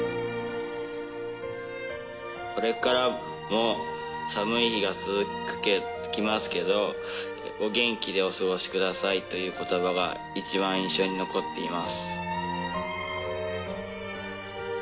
「これからも寒い日が続きますけどお元気でお過ごしください」という言葉が一番印象に残っています。